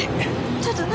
ちょっと何？